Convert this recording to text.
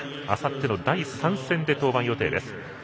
あさっての第３戦で登板予定です。